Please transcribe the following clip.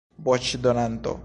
voĉdonanto